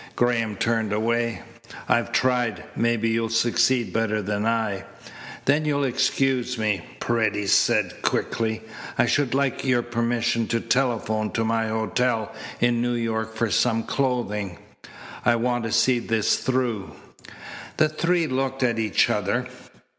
Graham turned away. "I've tried. Maybe you'll succeed better than I." "Then you'll excuse me," Paredes said quickly. "I should like your permission to telephone to my hotel in New York for some clothing. I want to see this through." The three looked at each other.